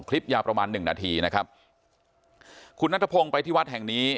คลิปยาวประมาณหนึ่งนาทีนะครับคุณนัทพงศ์ไปที่วัดแห่งนี้